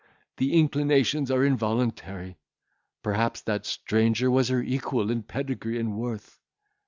The inclinations are involuntary; perhaps that stranger was her equal in pedigree and worth.